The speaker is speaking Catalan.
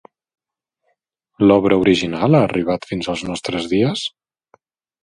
L'obra original ha arribat fins als nostres dies?